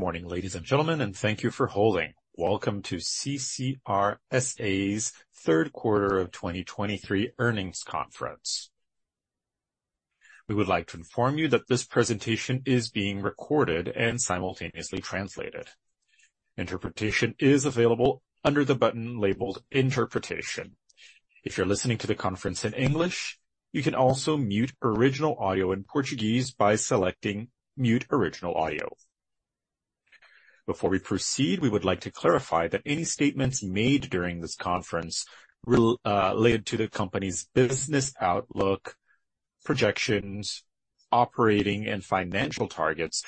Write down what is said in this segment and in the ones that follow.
Good morning, ladies and gentlemen, and thank you for holding. Welcome to CCR S.A. third quarter of 2023 earnings conference. We would like to inform you that this presentation is being recorded and simultaneously translated. Interpretation is available under the button labeled Interpretation. If you're listening to the conference in English, you can also mute original audio in Portuguese by selecting Mute Original Audio. Before we proceed, we would like to clarify that any statements made during this conference are related to the company's business outlook, projections, operating and financial targets,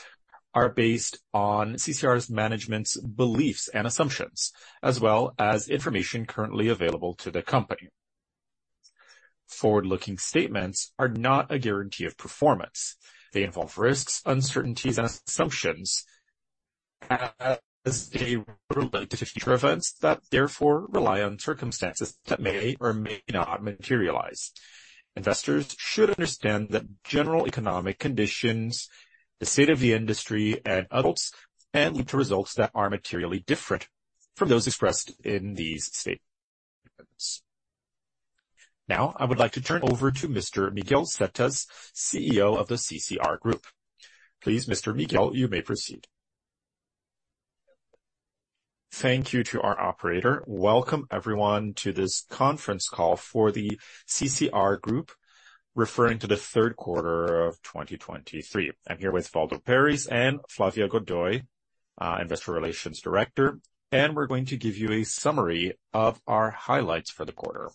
are based on CCR's management's beliefs and assumptions, as well as information currently available to the company. Forward-looking statements are not a guarantee of performance. They involve risks, uncertainties, and assumptions as they relate to future events that therefore rely on circumstances that may or may not materialize. Investors should understand that general economic conditions, the state of the industry and others, can lead to results that are materially different from those expressed in these statements. Now, I would like to turn over to Mr. Miguel Setas, CEO of the CCR Group. Please, Mr. Miguel, you may proceed. Thank you to our operator. Welcome everyone to this conference call for the CCR Group, referring to the third quarter of 2023. I'm here with Waldo Pérez and Flávia Godoy, investor relations director, and we're going to give you a summary of our highlights for the quarter.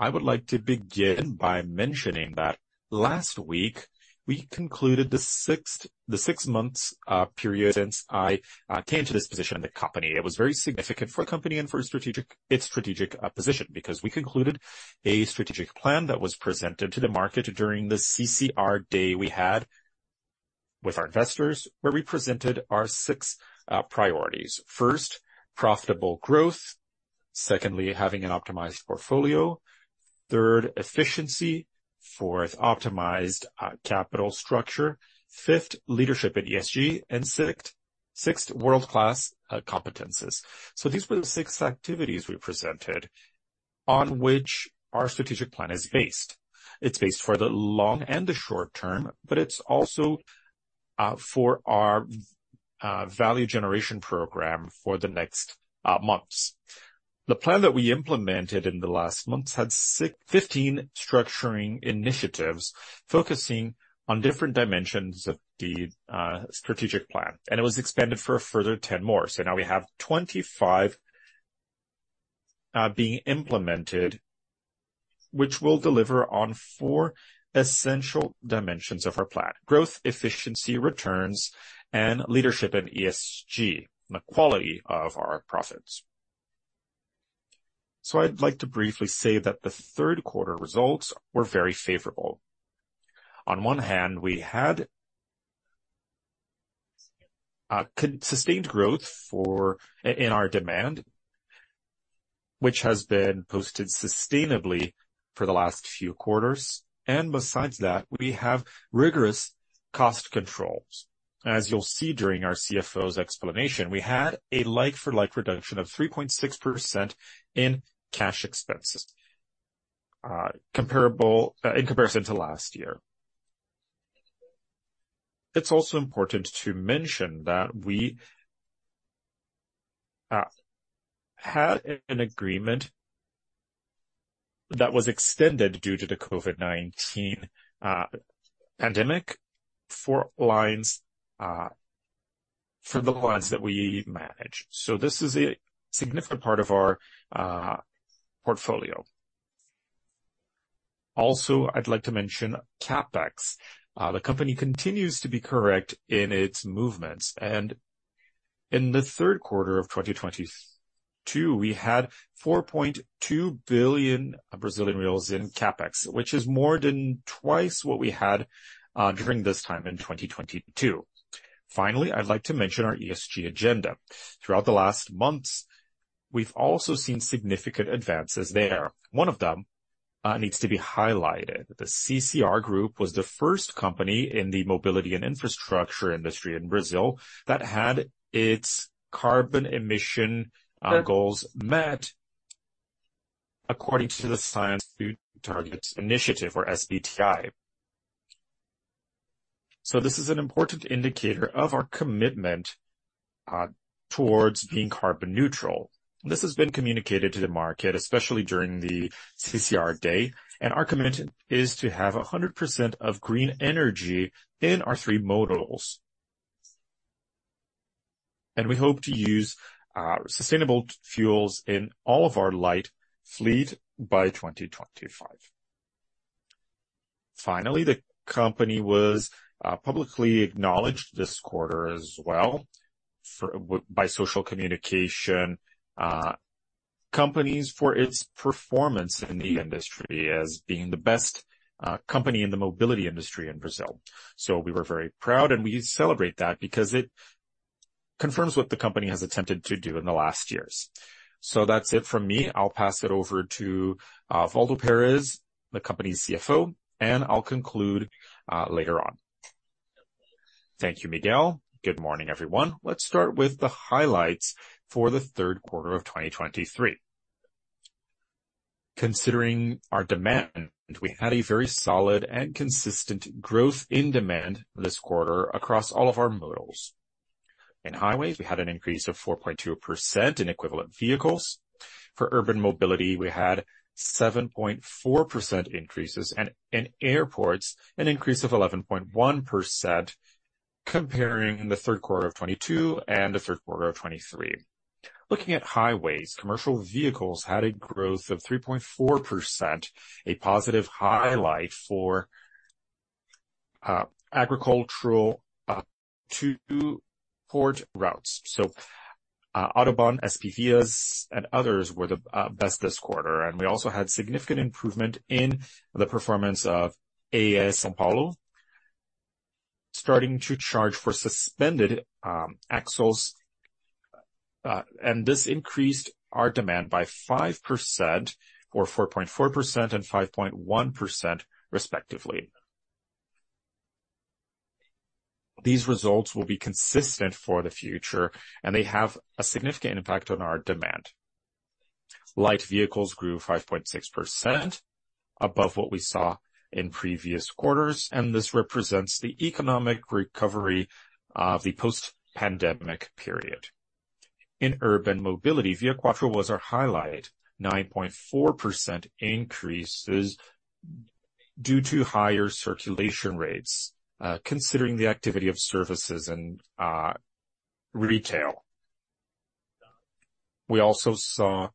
I would like to begin by mentioning that last week we concluded the sixth, the six months, period since I came to this position in the company. It was very significant for a company and for strategic, its strategic, position, because we concluded a strategic plan that was presented to the market during the CCR Day we had with our investors, where we presented our 6 priorities. First, profitable growth. Secondly, having an optimized portfolio. Third, efficiency. Fourth, optimized, capital structure. Fifth, leadership at ESG. And sixth, sixth, world-class, competences. So these were the 6 activities we presented on which our strategic plan is based. It's based for the long and the short term, but it's also, for our, value generation program for the next, months. The plan that we implemented in the last months had 15 structuring initiatives focusing on different dimensions of the, strategic plan, and it was expanded for a further 10 more. So now we have 25 being implemented, which will deliver on four essential dimensions of our plan: growth, efficiency, returns, and leadership in ESG, and the quality of our profits. So I'd like to briefly say that the third quarter results were very favorable. On one hand, we had sustained growth in our demand, which has been posted sustainably for the last few quarters, and besides that, we have rigorous cost controls. As you'll see during our CFO's explanation, we had a like-for-like reduction of 3.6% in cash expenses, comparable in comparison to last year. It's also important to mention that we had an agreement that was extended due to the COVID-19 pandemic for lines for the lines that we manage. So this is a significant part of our portfolio. Also, I'd like to mention CapEx. The company continues to be correct in its movements, and in the third quarter of 2022, we had 4.2 billion Brazilian reais in CapEx, which is more than twice what we had during this time in 2022. Finally, I'd like to mention our ESG agenda. Throughout the last months, we've also seen significant advances there. One of them needs to be highlighted. The CCR Group was the first company in the mobility and infrastructure industry in Brazil that had its carbon emission goals met according to the Science Based Targets initiative, or SBTi. So this is an important indicator of our commitment towards being carbon neutral. This has been communicated to the market, especially during the CCR Day, and our commitment is to have 100% of green energy in our three modals. We hope to use sustainable fuels in all of our light fleet by 2025. Finally, the company was publicly acknowledged this quarter as well for by social communication companies for its performance in the industry as being the best company in the mobility industry in Brazil. So we were very proud, and we celebrate that because it confirms what the company has attempted to do in the last years. So that's it from me. I'll pass it over to Waldo Pérez, the company's CFO, and I'll conclude later on. Thank you, Miguel. Good morning, everyone. Let's start with the highlights for the third quarter of 2023. Considering our demand, we had a very solid and consistent growth in demand this quarter across all of our modals. In highways, we had an increase of 4.2% in equivalent vehicles. For Urban Mobility, we had 7.4% increases, and in airports, an increase of 11.1% comparing the third quarter of 2022 and the third quarter of 2023. Looking at highways, commercial vehicles had a growth of 3.4%, a positive highlight for agricultural to port routes. So, AutoBAn, SPVias, and others were the best this quarter, and we also had significant improvement in the performance of SPVias São Paulo, starting to charge for suspended axles, and this increased our demand by 5%, or 4.4%, and 5.1% respectively. These results will be consistent for the future, and they have a significant impact on our demand. Light vehicles grew 5.6% above what we saw in previous quarters, and this represents the economic recovery of the post-pandemic period. In Urban Mobility, ViaQuatro was our highlight. 9.4% increases due to higher circulation rates, considering the activity of services and retail. We also saw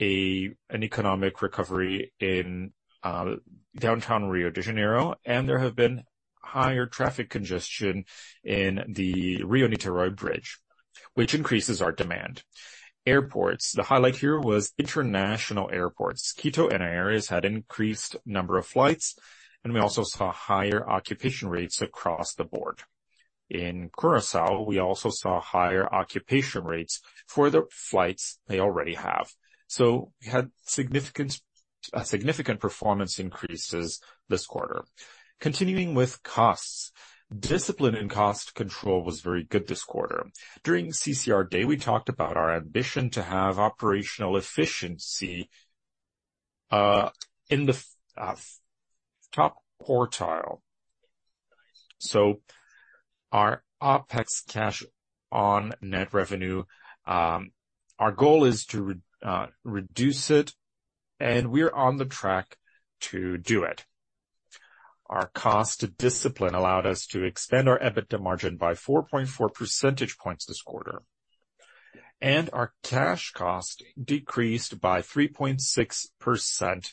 an economic recovery in downtown Rio de Janeiro, and there have been higher traffic congestion in the Rio-Niterói Bridge, which increases our demand. Airports, the highlight here was international airports. Quito and Aeris had increased number of flights, and we also saw higher occupation rates across the board. In Curaçao, we also saw higher occupation rates for the flights they already have. So we had significant, significant performance increases this quarter. Continuing with costs. Discipline and cost control was very good this quarter. During CCR Day, we talked about our ambition to have operational efficiency in the top quartile. So our OpEx cash on net revenue, our goal is to reduce it, and we're on the track to do it. Our cost discipline allowed us to extend our EBITDA margin by 4.4 percentage points this quarter. And our cash cost decreased by 3.6%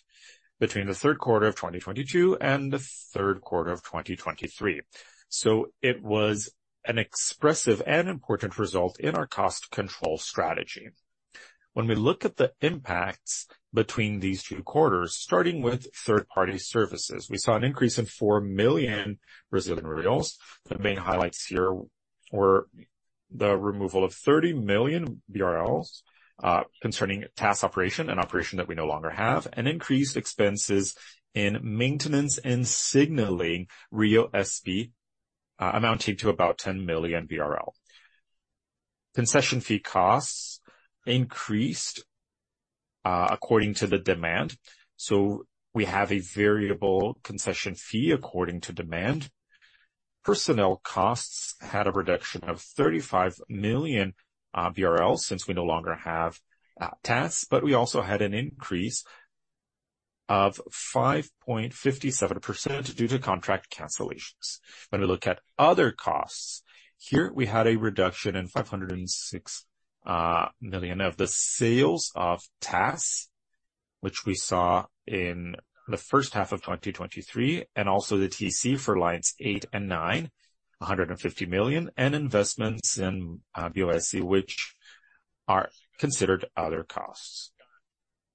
between the third quarter of 2022 and the third quarter of 2023. So it was an expressive and important result in our cost control strategy. When we look at the impacts between these two quarters, starting with third-party services, we saw an increase in 4 million. The main highlights here were the removal of 30 million BRL concerning TAS operation and operations that we no longer have, and increased expenses in maintenance and signaling Rio SP amounting to about 10 million BRL. Concession fee costs increased according to the demand, so we have a variable concession fee according to demand. Personnel costs had a reduction of 35 million BRL since we no longer have TAS, but we also had an increase of 5.57% due to contract cancellations. When we look at other costs, here we had a reduction in 506 million of the sales of TAS, which we saw in the first half of 2023, and also the TC for lines eight and nine, 150 million, and investments in ViaOeste, which are considered other costs.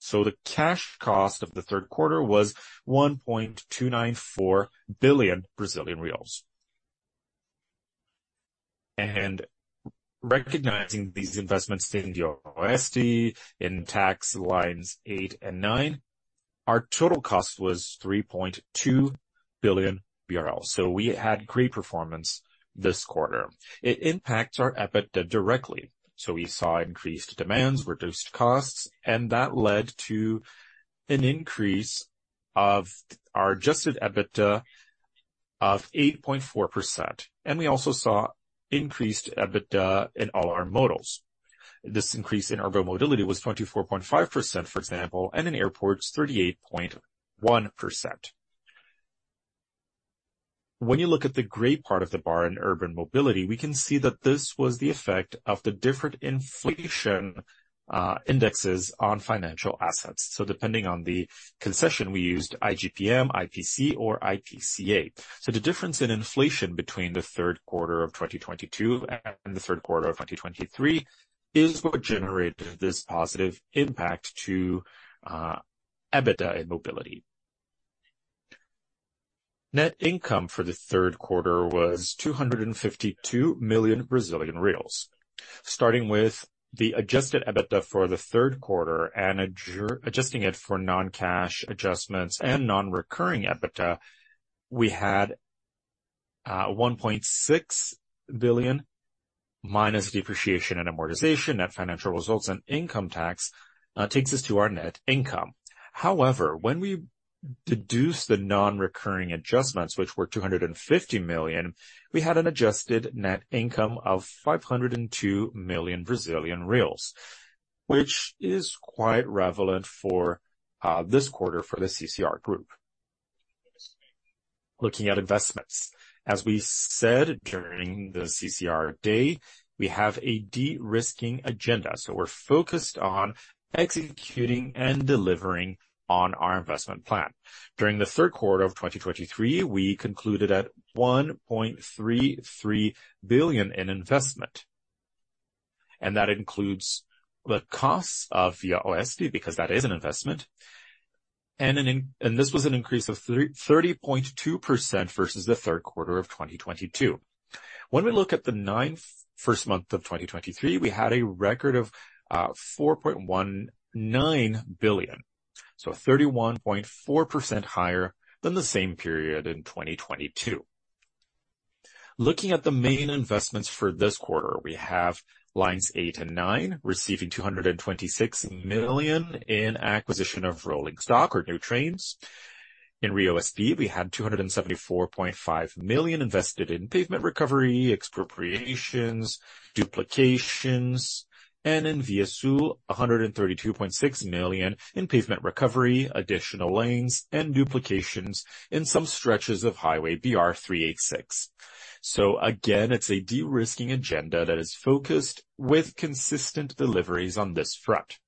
So the cash cost of the third quarter was 1.294 billion Brazilian reais. Recognizing these investments in the ViaOeste, in those lines eight and nine, our total cost was 3.2 billion BRL. We had great performance this quarter. It impacts our EBITDA directly. We saw increased demands, reduced costs, and that led to an increase of our adjusted EBITDA of 8.4%, and we also saw increased EBITDA in all our models. This increase in urban mobility was 24.5%, for example, and in airports, 38.1%. When you look at the gray part of the bar in urban mobility, we can see that this was the effect of the different inflation indexes on financial assets. So depending on the concession, we used IGP-M, IPC or IPCA. The difference in inflation between the third quarter of 2022 and the third quarter of 2023 is what generated this positive impact to EBITDA in mobility. Net income for the third quarter was 252 million Brazilian reais. Starting with the adjusted EBITDA for the third quarter and adjusting it for non-cash adjustments and non-recurring EBITDA, we had 1.6 billion minus depreciation and amortization. Net financial results and income tax takes us to our net income. However, when we deduce the non-recurring adjustments, which were 250 million, we had an adjusted net income of 502 million Brazilian reais, which is quite relevant for this quarter for the CCR Group. Looking at investments, as we said during the CCR Day, we have a de-risking agenda, so we're focused on executing and delivering on our investment plan. During the third quarter of 2023, we concluded 1.33 billion in investment, and that includes the costs of ViaOeste, because that is an investment, and and this was an increase of 30.2% versus the third quarter of 2022. When we look at the first nine months of 2023, we had a record of 4.19 billion, so 31.4% higher than the same period in 2022. Looking at the main investments for this quarter, we have lines eight and nine receiving 226 million in acquisition of rolling stock or new trains. In Rio SP, we had 274.5 million invested in pavement recovery, expropriations, duplications, and in ViaSul, 132.6 million in pavement recovery, additional lanes and duplications in some stretches of Highway BR-386. So again, it's a de-risking agenda that is focused with consistent deliveries on this front.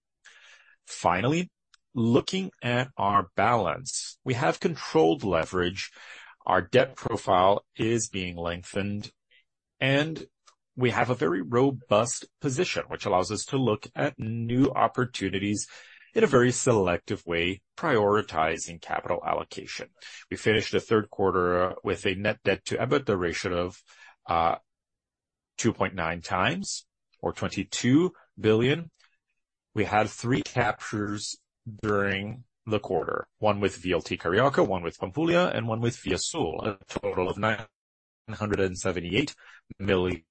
Finally, looking at our balance, we have controlled leverage. Our debt profile is being lengthened, and we have a very robust position, which allows us to look at new opportunities in a very selective way, prioritizing capital allocation. We finished the third quarter with a net debt to EBITDA ratio of 2.9x or 22 billion. We had three captures during the quarter, one with VLT Carioca, one with Pampulha, and one with ViaSul, a total of 978 million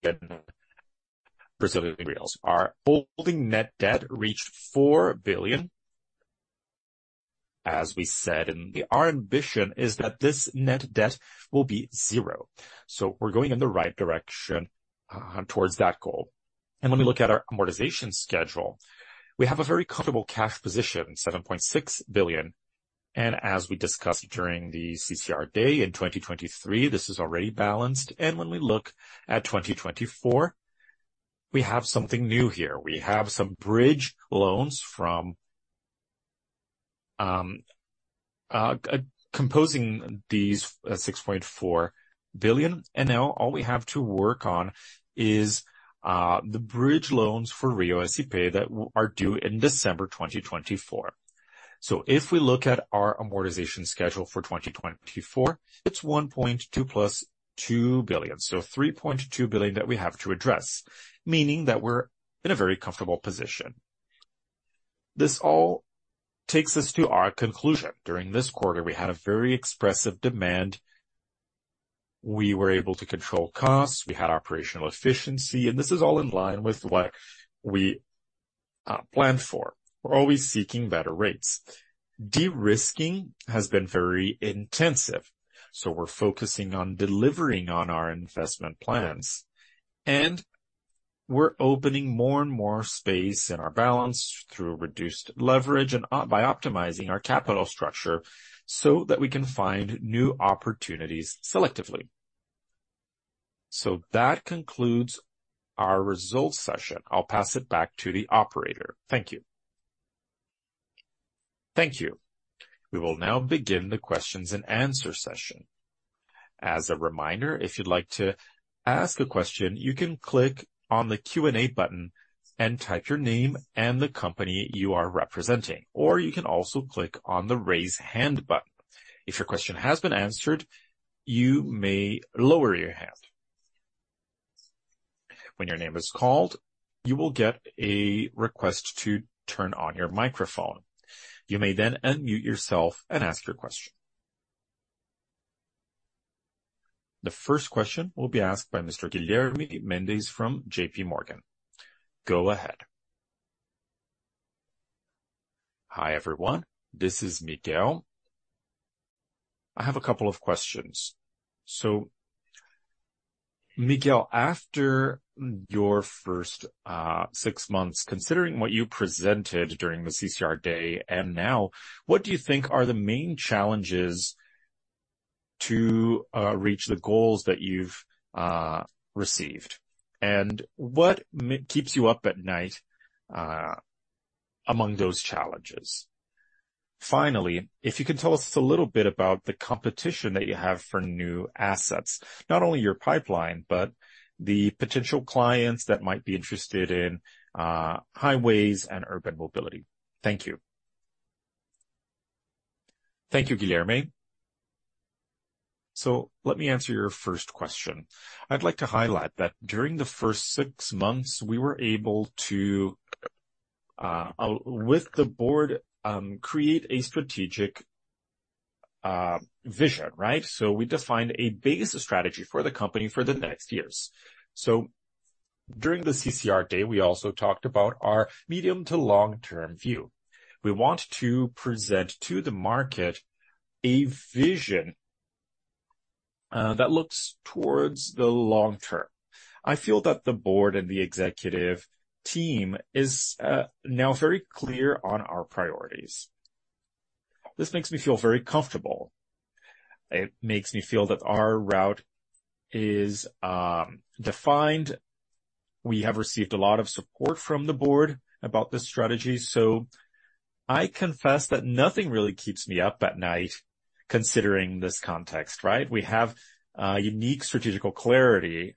Brazilian reais. Our holding net debt reached 4 billion. As we said, our ambition is that this net debt will be zero. So we're going in the right direction towards that goal. And when we look at our amortization schedule, we have a very comfortable cash position, 7.6 billion. And as we discussed during the CCR Day in 2023, this is already balanced. And when we look at 2024, we have something new here. We have some bridge loans composing these 6.4 billion, and now all we have to work on is the bridge loans for Rio SP that are due in December 2024. So if we look at our amortization schedule for 2024, it's 1.2 billion + 2 billion, so 3.2 billion that we have to address, meaning that we're in a very comfortable position. This all takes us to our conclusion. During this quarter, we had a very expressive demand. We were able to control costs, we had operational efficiency, and this is all in line with what we planned for. We're always seeking better rates. De-risking has been very intensive, so we're focusing on delivering on our investment plans, and we're opening more and more space in our balance through reduced leverage and by optimizing our capital structure so that we can find new opportunities selectively. So that concludes our results session. I'll pass it back to the operator. Thank you. Thank you. We will now begin the questions and answer session. As a reminder, if you'd like to ask a question, you can click on the Q&A button and type your name and the company you are representing, or you can also click on the Raise Hand button. If your question has been answered, you may lower your hand. When your name is called, you will get a request to turn on your microphone. You may then unmute yourself and ask your question. The first question will be asked by Mr. Guilherme Mendes from JPMorgan. Go ahead. Hi, everyone. This is Miguel. I have a couple of questions. So, Miguel, after your first six months, considering what you presented during the CCR Day and now, what do you think are the main challenges to reach the goals that you've received? And what keeps you up at night among those challenges? Finally, if you can tell us a little bit about the competition that you have for new assets, not only your pipeline, but the potential clients that might be interested in highways and urban mobility. Thank you. Thank you, Guilherme. So let me answer your first question. I'd like to highlight that during the first six months, we were able to with the board create a strategic vision, right? So we defined a base strategy for the company for the next years. So during the CCR Day, we also talked about our medium to long-term view. We want to present to the market a vision that looks towards the long term. I feel that the board and the executive team is now very clear on our priorities. This makes me feel very comfortable. It makes me feel that our route is defined. We have received a lot of support from the board about this strategy, so I confess that nothing really keeps me up at night considering this context, right? We have a unique strategical clarity.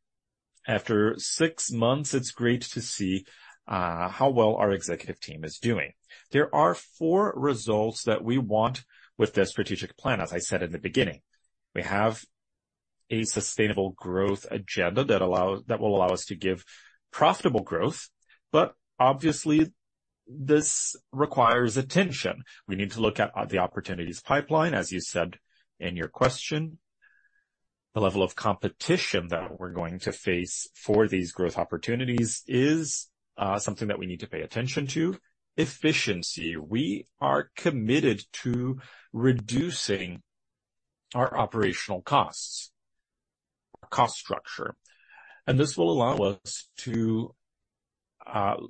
After six months, it's great to see how well our executive team is doing. There are four results that we want with this strategic plan as I said in the beginning. We have a sustainable growth agenda that will allow us to give profitable growth, but obviously, this requires attention. We need to look at the opportunities pipeline, as you said in your question. The level of competition that we're going to face for these growth opportunities is something that we need to pay attention to. Efficiency. We are committed to reducing our operational costs, cost structure, and this will allow us to have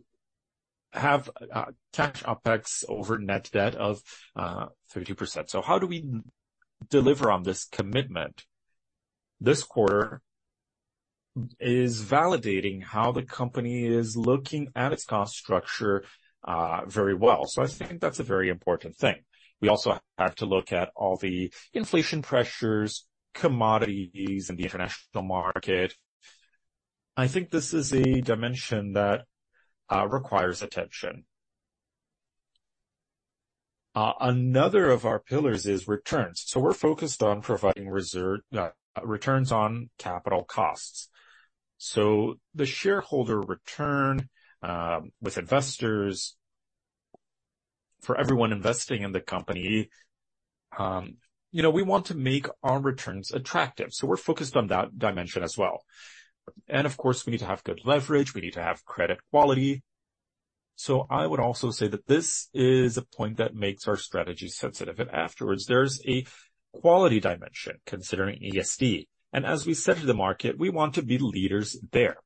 cash OpEx over net debt of 32%. So how do we deliver on this commitment? This quarter is validating how the company is looking at its cost structure very well. So I think that's a very important thing. We also have to look at all the inflation pressures, commodities in the international market. I think this is a dimension that requires attention. Another of our pillars is returns. So we're focused on providing reserve returns on capital costs. So the shareholder return with investors, for everyone investing in the company, you know, we want to make our returns attractive, so we're focused on that dimension as well. And of course, we need to have good leverage. We need to have credit quality. So I would also say that this is a point that makes our strategy sensitive, and afterwards, there's a quality dimension, considering ESG. And as we said to the market, we want to be leaders there.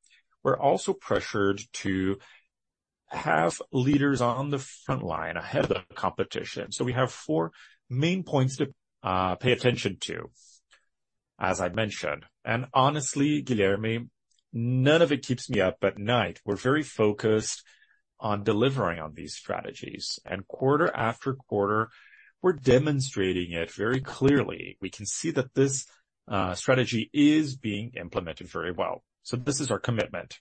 We're also pressured to have leaders on the frontline ahead of the competition. So we have four main points to pay attention to, as I mentioned, and honestly, Guilherme, none of it keeps me up at night. We're very focused on delivering on these strategies, and quarter after quarter, we're demonstrating it very clearly. We can see that this strategy is being implemented very well. So this is our commitment.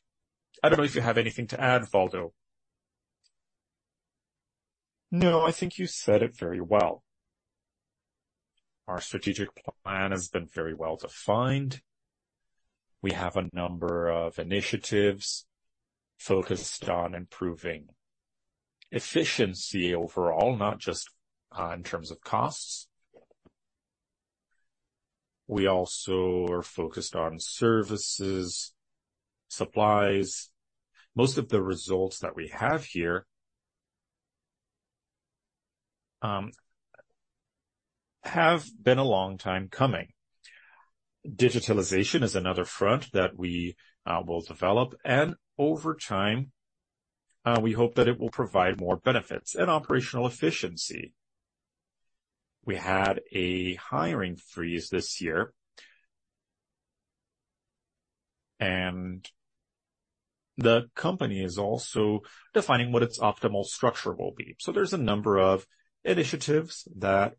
I don't know if you have anything to add, Waldo. No, I think you said it very well. Our strategic plan has been very well defined. We have a number of initiatives focused on improving efficiency overall, not just in terms of costs. We also are focused on services, supplies. Most of the results that we have here have been a long time coming. Digitalization is another front that we will develop, and over time, we hope that it will provide more benefits and operational efficiency. We had a hiring freeze this year. The company is also defining what its optimal structure will be. There's a number of initiatives that,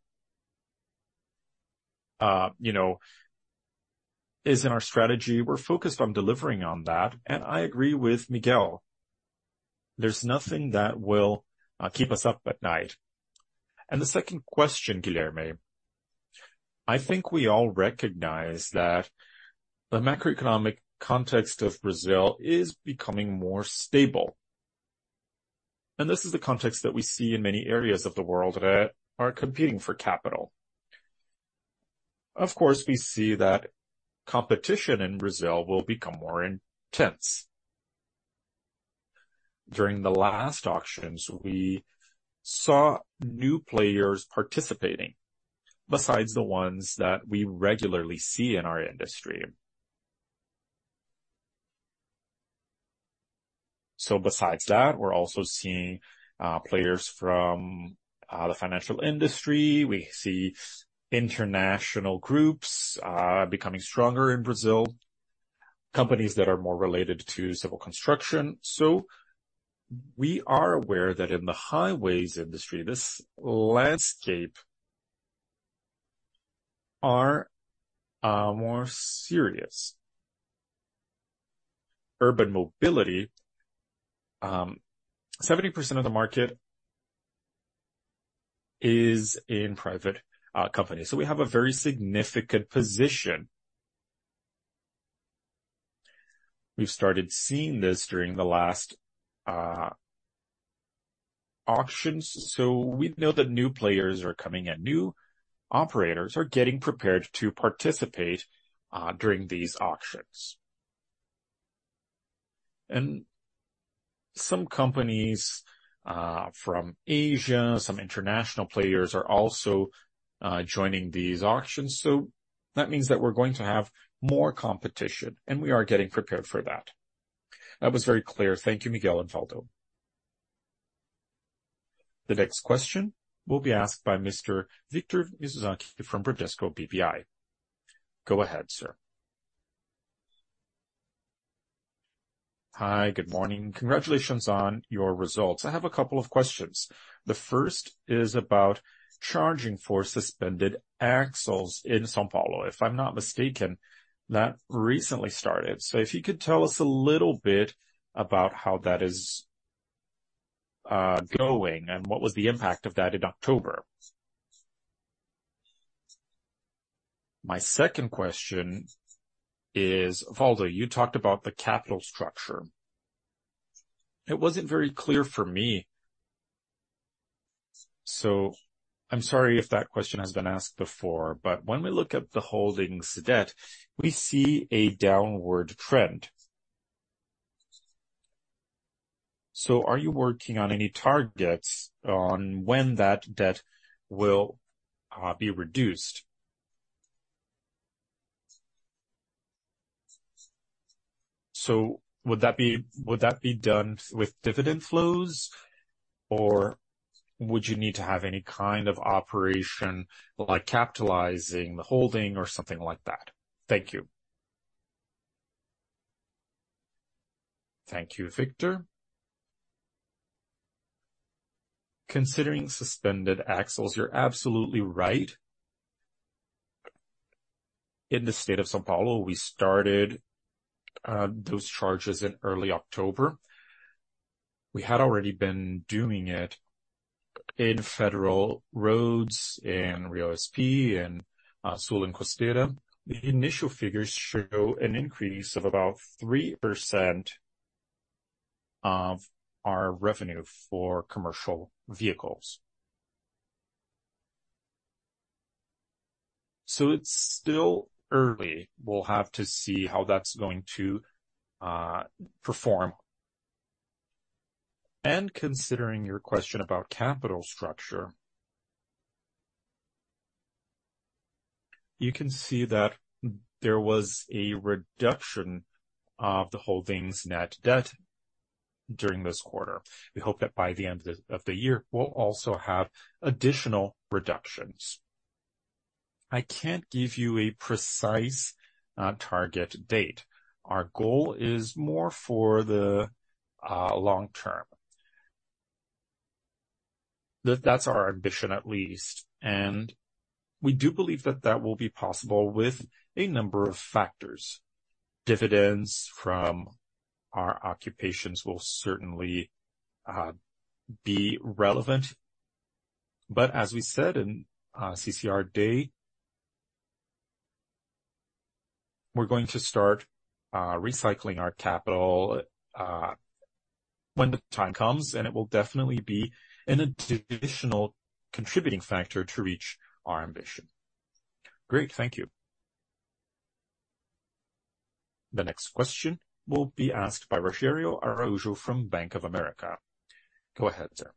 you know, is in our strategy. We're focused on delivering on that, and I agree with Miguel, there's nothing that will keep us up at night. The second question, Guilherme, I think we all recognize that the macroeconomic context of Brazil is becoming more stable, and this is the context that we see in many areas of the world that are competing for capital. Of course, we see that competition in Brazil will become more intense. During the last auctions, we saw new players participating besides the ones that we regularly see in our industry. Besides that, we're also seeing players from the financial industry. We see international groups becoming stronger in Brazil, companies that are more related to civil construction. So we are aware that in the highways industry, this landscape is more serious. Urban mobility, 70% of the market is in private companies, so we have a very significant position. We've started seeing this during the last auctions, so we know that new players are coming in. New operators are getting prepared to participate during these auctions. And some companies from Asia, some international players are also joining these auctions, so that means that we're going to have more competition, and we are getting prepared for that. That was very clear. Thank you, Miguel and Waldo. The next question will be asked by Mr. Victor Mizusaki from Bradesco BBI. Go ahead, sir. Hi. Good morning. Congratulations on your results. I have a couple of questions. The first is about charging for suspended axles in São Paulo. If I'm not mistaken, that recently started. So if you could tell us a little bit about how that is going and what was the impact of that in October? My second question is, Waldo, you talked about the capital structure. It wasn't very clear for me, so I'm sorry if that question has been asked before, but when we look at the holdings debt, we see a downward trend. So are you working on any targets on when that debt will be reduced? So would that be--would that be done with dividend flows, or would you need to have any kind of operation, like capitalizing the holding or something like that? Thank you. Thank you, Victor. Considering suspended axles, you're absolutely right. In the state of São Paulo, we started those charges in early October. We had already been doing it in federal roads, in Rio SP and Sul and Costeira. The initial figures show an increase of about 3% of our revenue for commercial vehicles. So it's still early. We'll have to see how that's going to perform. And considering your question about capital structure, you can see that there was a reduction of the holding's net debt during this quarter. We hope that by the end of the year, we'll also have additional reductions. I can't give you a precise target date. Our goal is more for the long term. That, that's our ambition, at least, and we do believe that that will be possible with a number of factors. Dividends from our occupations will certainly be relevant, but as we said in CCR Day, we're going to start recycling our capital when the time comes, and it will definitely be an additional contributing factor to reach our ambition. Great. Thank you. The next question will be asked by Rogério Araújo from Bank of America. Go ahead, sir.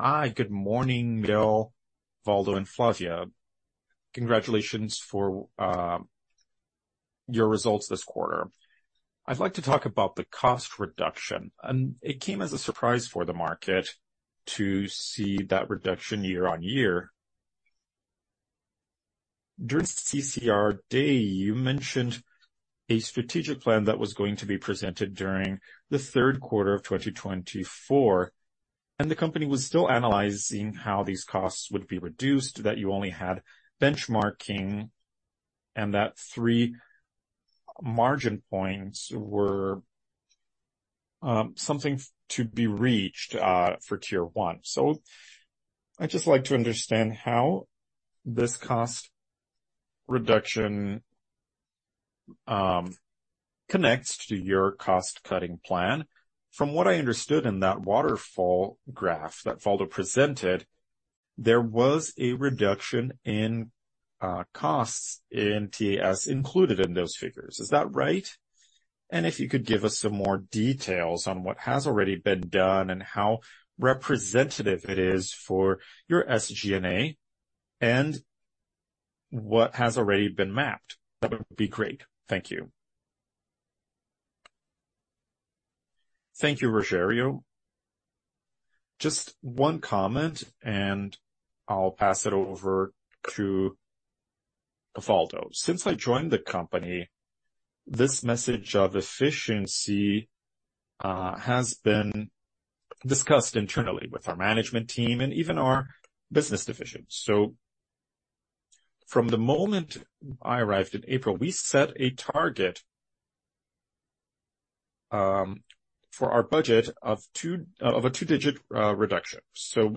Hi. Good morning, Miguel, Waldo, and Flávia. Congratulations for your results this quarter. I'd like to talk about the cost reduction, and it came as a surprise for the market to see that reduction year-over-year. During CCR Day, you mentioned a strategic plan that was going to be presented during the third quarter of 2024, and the company was still analyzing how these costs would be reduced, that you only had benchmarking, and that 3 margin points were something to be reached for tier one. So I'd just like to understand how this cost reduction connects to your cost-cutting plan. From what I understood in that waterfall graph that Waldo presented, there was a reduction in costs in TAS included in those figures. Is that right? And if you could give us some more details on what has already been done and how representative it is for your SG&A and what has already been mapped, that would be great. Thank you. Thank you, Rogério. Just one comment, and I'll pass it over to-... Waldo, since I joined the company, this message of efficiency has been discussed internally with our management team and even our business divisions. So from the moment I arrived in April, we set a target for our budget of a two-digit reduction. So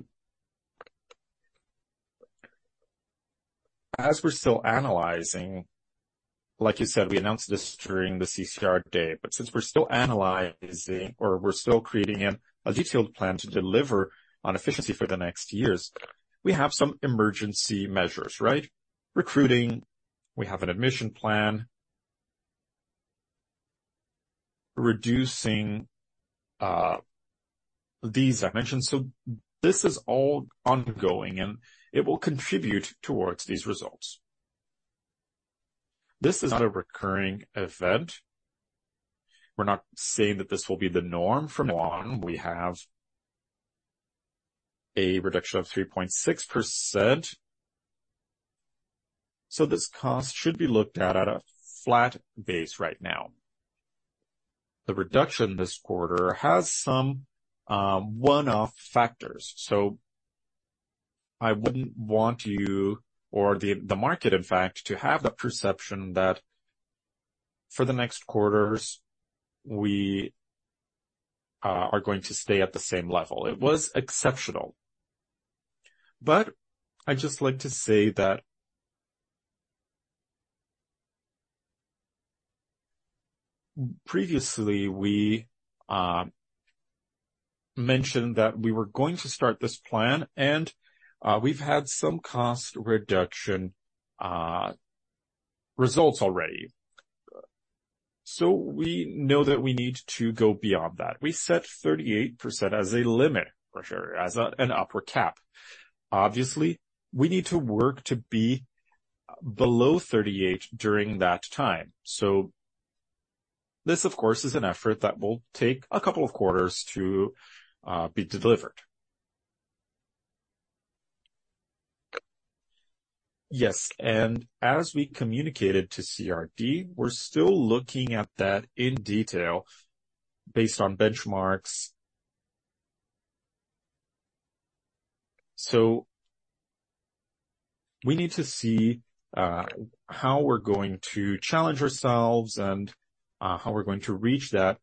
as we're still analyzing, like you said, we announced this during the CCR Day, but since we're still analyzing or we're still creating a detailed plan to deliver on efficiency for the next years, we have some emergency measures, right? Recruiting, we have an admission plan, reducing these dimensions. So this is all ongoing, and it will contribute towards these results. This is not a recurring event. We're not saying that this will be the norm from now on. We have a reduction of 3.6%, so this cost should be looked at at a flat base right now. The reduction this quarter has some one-off factors, so I wouldn't want you or the market, in fact, to have the perception that for the next quarters, we are going to stay at the same level. It was exceptional. But I'd just like to say that previously we mentioned that we were going to start this plan, and we've had some cost reduction results already. So we know that we need to go beyond that. We set 38% as a limit, for sure, as an upper cap. Obviously, we need to work to be below 38 during that time. So this, of course, is an effort that will take a couple of quarters to be delivered. Yes, and as we communicated to CCR, we're still looking at that in detail based on benchmarks. So we need to see how we're going to challenge ourselves and how we're going to reach that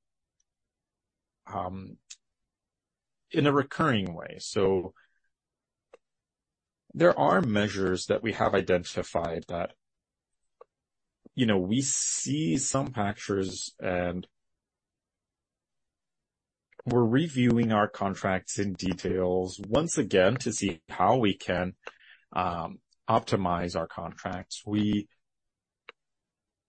in a recurring way. So there are measures that we have identified that, you know, we see some patches, and we're reviewing our contracts in details once again to see how we can optimize our contracts. We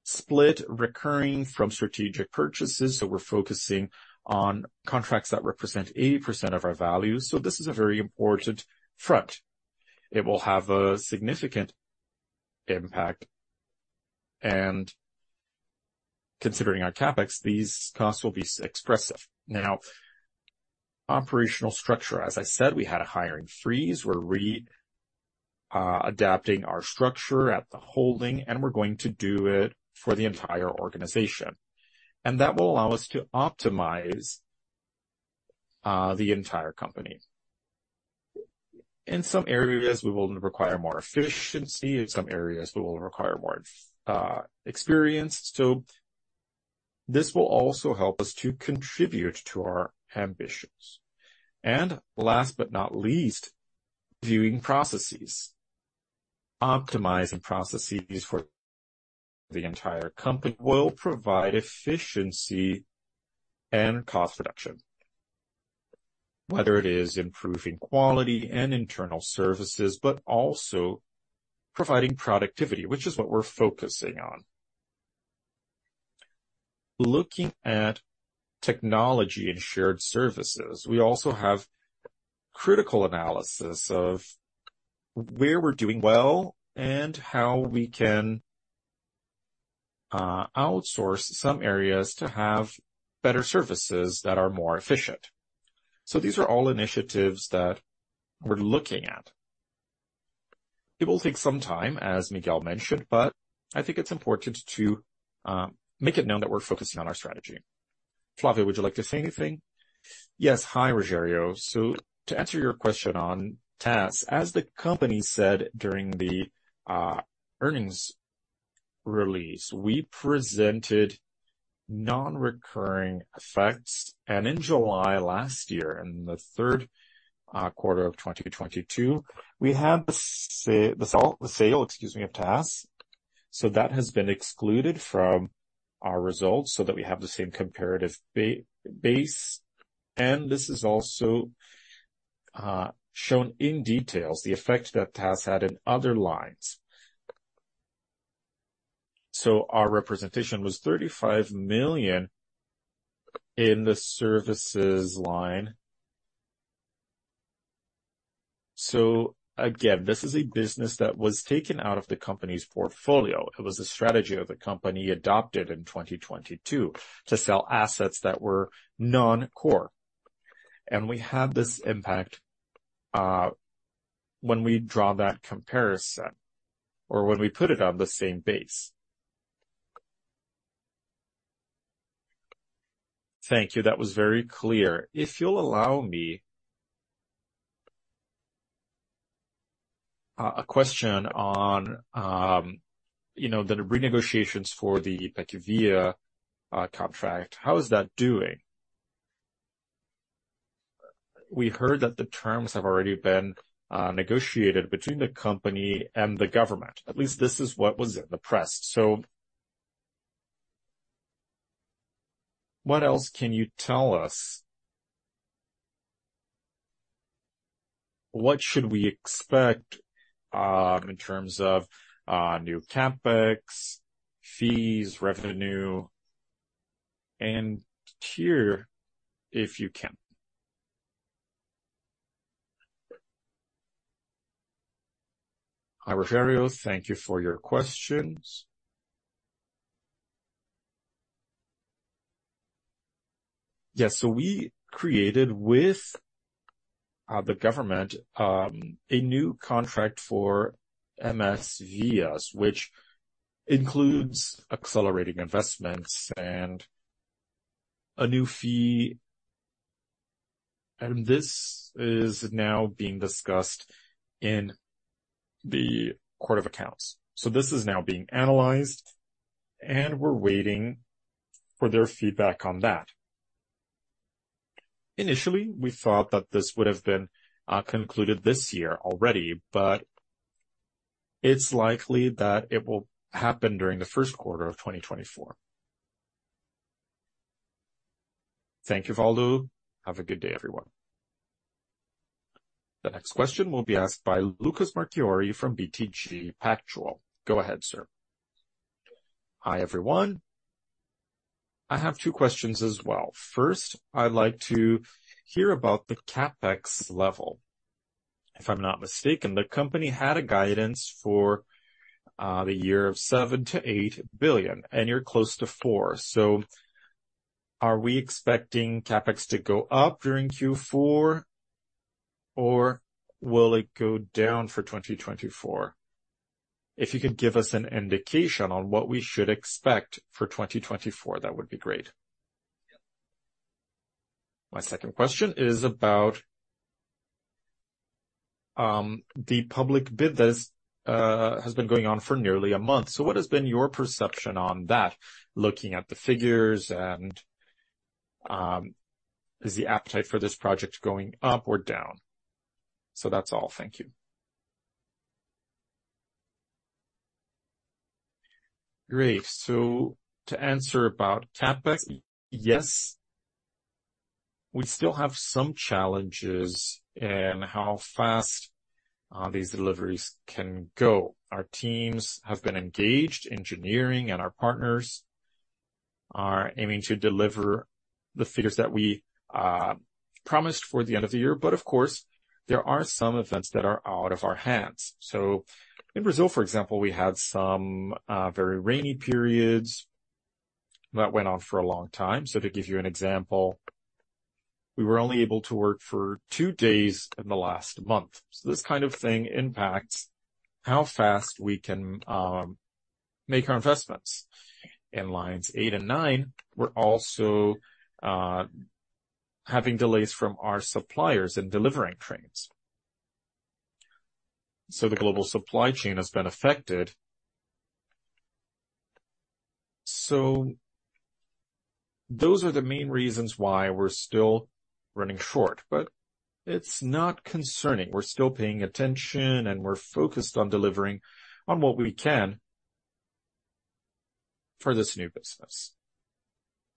split recurring from strategic purchases, so we're focusing on contracts that represent 80% of our values. So this is a very important front. It will have a significant impact, and considering our CapEx, these costs will be expressive. Now, operational structure, as I said, we had a hiring freeze. We're adapting our structure at the holding, and we're going to do it for the entire organization, and that will allow us to optimize the entire company. In some areas, we will require more efficiency. In some areas, we will require more experience. So this will also help us to contribute to our ambitions. And last but not least, viewing processes. Optimizing processes for the entire company will provide efficiency and cost reduction, whether it is improving quality and internal services, but also providing productivity, which is what we're focusing on. Looking at technology and shared services, we also have critical analysis of where we're doing well and how we can outsource some areas to have better services that are more efficient. So these are all initiatives that we're looking at. It will take some time, as Miguel mentioned, but I think it's important to make it known that we're focusing on our strategy. Flávia, would you like to say anything? Yes. Hi, Rogério. So to answer your question on TAS, as the company said during the earnings release, we presented non-recurring effects, and in July last year, in the third quarter of 2022, we had the sale, excuse me, of TAS. So that has been excluded from our results so that we have the same comparative base, and this is also shown in details, the effect that TAS had in other lines. So our representation was 35 million in the services line. So again, this is a business that was taken out of the company's portfolio. It was a strategy of the company adopted in 2022 to sell assets that were non-core, and we had this impact when we draw that comparison or when we put it on the same base. Thank you. That was very clear. If you'll allow me, a question on, you know, the renegotiations for the Pecém via contract. How is that doing? We heard that the terms have already been negotiated between the company and the government. At least this is what was in the press. So what else can you tell us? What should we expect, in terms of, new CapEx, fees, revenue, and tier, if you can? Hi, Rogério. Thank you for your questions. Yes. So we created, with the government, a new contract for MSVias, which includes accelerating investments and a new fee, and this is now being discussed in the Court of Accounts. So this is now being analyzed, and we're waiting for their feedback on that. Initially, we thought that this would have been concluded this year already, but it's likely that it will happen during the first quarter of 2024. Thank you, Waldo. Have a good day, everyone. The next question will be asked by Lucas Marquiori from BTG Pactual. Go ahead, sir. Hi, everyone. I have two questions as well. First, I'd like to hear about the CapEx level. If I'm not mistaken, the company had a guidance for the year of 7 billion-8 billion, and you're close to 4 billion. So are we expecting CapEx to go up during Q4, or will it go down for 2024? If you could give us an indication on what we should expect for 2024, that would be great. My second question is about the public bid that has been going on for nearly a month. So what has been your perception on that, looking at the figures and is the appetite for this project going up or down? So that's all. Thank you. Great. So to answer about CapEx, yes, we still have some challenges in how fast these deliveries can go. Our teams have been engaged, engineering and our partners are aiming to deliver the figures that we promised for the end of the year. But of course, there are some events that are out of our hands. So in Brazil, for example, we had some very rainy periods that went on for a long time. So to give you an example, we were only able to work for 2 days in the last month. So this kind of thing impacts how fast we can make our investments. In Lines 8 and 9, we're also having delays from our suppliers in delivering trains. So the global supply chain has been affected. So those are the main reasons why we're still running short, but it's not concerning. We're still paying attention, and we're focused on delivering on what we can for this new business.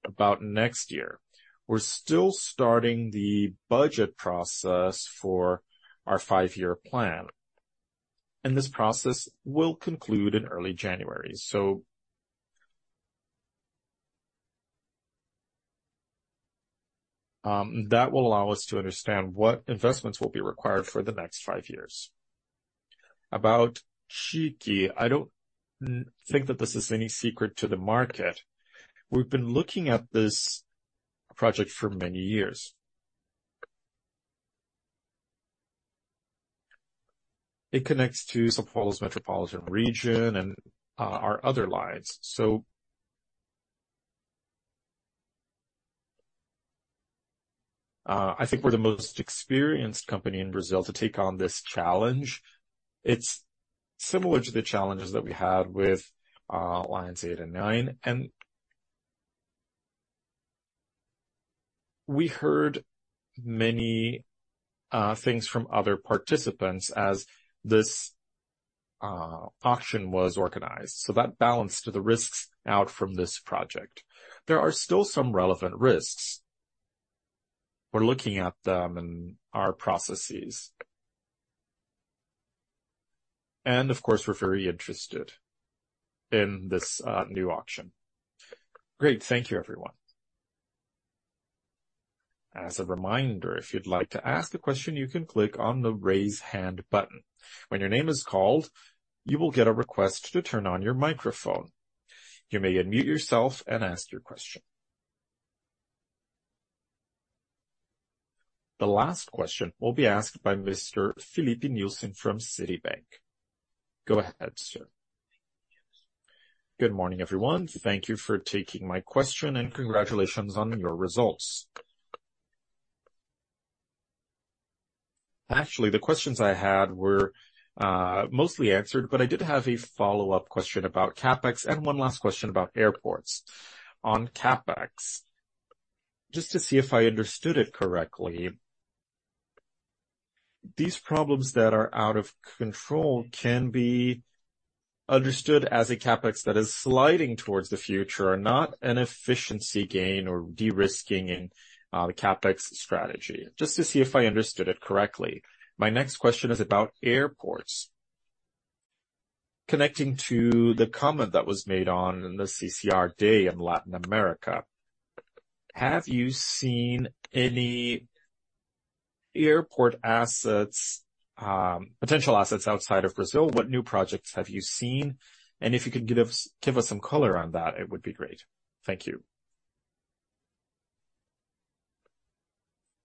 About next year, we're still starting the budget process for our 5-year plan, and this process will conclude in early January. So that will allow us to understand what investments will be required for the next 5 years. About TIC, I don't think that this is any secret to the market. We've been looking at this project for many years. It connects to São Paulo's metropolitan region and our other lines. So, I think we're the most experienced company in Brazil to take on this challenge. It's similar to the challenges that we had with lines eight and nine, and we heard many things from other participants as this auction was organized, so that balanced the risks out from this project. There are still some relevant risks. We're looking at them in our processes, and of course, we're very interested in this new auction. Great. Thank you everyone. As a reminder, if you'd like to ask a question, you can click on the Raise Hand button. When your name is called, you will get a request to turn on your microphone. You may unmute yourself and ask your question. The last question will be asked by Mr. Filipe Nielsen from Citibank. Go ahead, sir. Good morning, everyone. Thank you for taking my question, and congratulations on your results. Actually, the questions I had were mostly answered, but I did have a follow-up question about CapEx and one last question about airports. On CapEx, just to see if I understood it correctly, these problems that are out of control can be understood as a CapEx that is sliding towards the future, not an efficiency gain or de-risking in the CapEx strategy. Just to see if I understood it correctly. My next question is about airports. Connecting to the comment that was made on the CCR Day in Latin America, have you seen any airport assets, potential assets outside of Brazil? What new projects have you seen? And if you could give us, give us some color on that, it would be great. Thank you.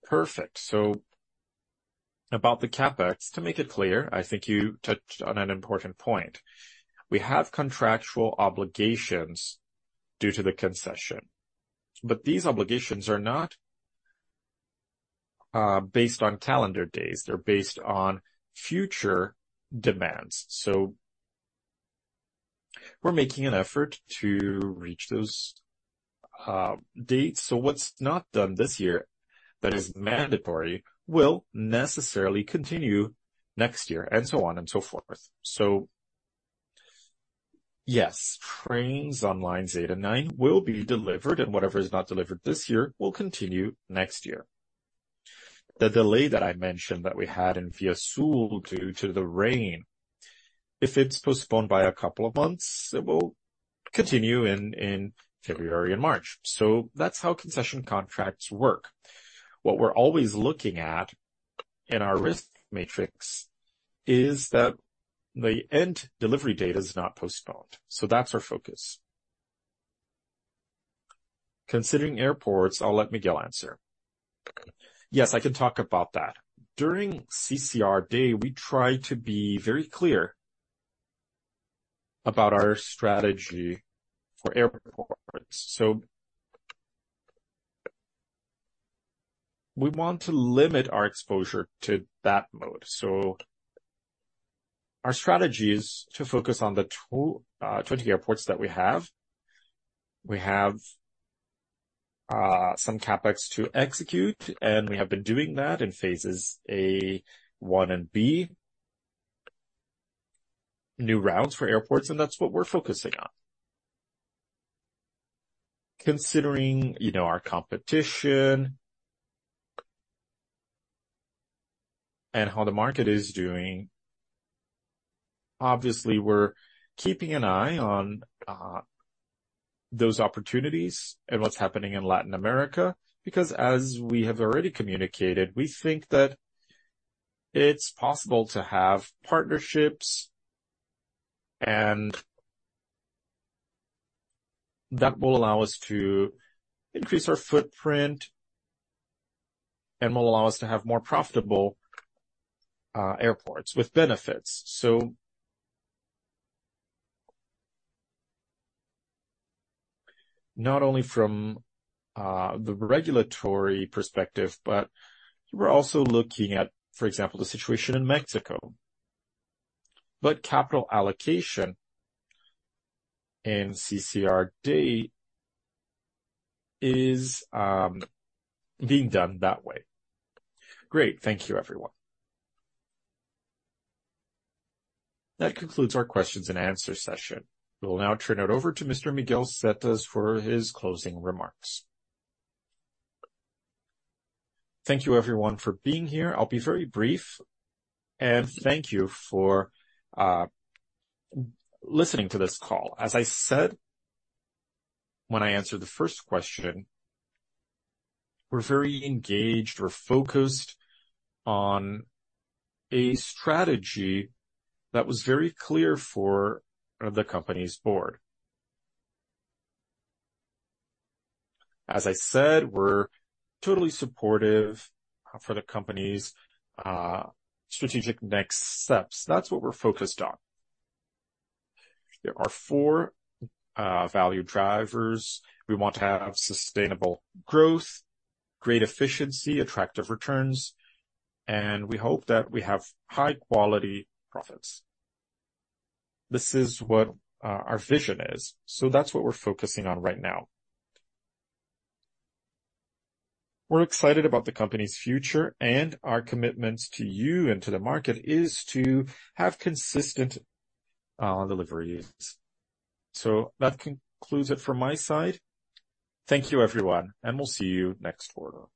Perfect. So about the CapEx, to make it clear, I think you touched on an important point. We have contractual obligations due to the concession, but these obligations are not based on calendar days, they're based on future demands. So we're making an effort to reach those dates. So what's not done this year that is mandatory, will necessarily continue next year, and so on and so forth. So yes, trains on lines eight and nine will be delivered, and whatever is not delivered this year will continue next year. The delay that I mentioned that we had in ViaSul due to the rain, if it's postponed by a couple of months, it will continue in February and March. So that's how concession contracts work. What we're always looking at in our risk matrix is that the end delivery date is not postponed. So that's our focus. Considering airports, I'll let Miguel answer. Yes, I can talk about that. During CCR Day, we try to be very clear about our strategy for airports. So we want to limit our exposure to that mode. So our strategy is to focus on the 20 airports that we have. We have some CapEx to execute, and we have been doing that in phases A1 and B, new routes for airports, and that's what we're focusing on. Considering, you know, our competition and how the market is doing, obviously, we're keeping an eye on those opportunities and what's happening in Latin America, because as we have already communicated, we think that it's possible to have partnerships and... That will allow us to increase our footprint and will allow us to have more profitable airports with benefits. So not only from the regulatory perspective, but we're also looking at, for example, the situation in Mexico. But capital allocation in CCR Day is being done that way. Great. Thank you, everyone . That concludes our questions and answer session. We will now turn it over to Mr. Miguel Setas for his closing remarks. Thank you, everyone, for being here. I'll be very brief, and thank you for listening to this call. As I said when I answered the first question, we're very engaged. We're focused on a strategy that was very clear for the company's board. As I said, we're totally supportive for the company's strategic next steps. That's what we're focused on. There are four value drivers. We want to have sustainable growth, great efficiency, attractive returns, and we hope that we have high-quality profits. This is what our vision is, so that's what we're focusing on right now. We're excited about the company's future and our commitments to you and to the market is to have consistent deliveries. So that concludes it from my side. Thank you, everyone, and we'll see you next quarter.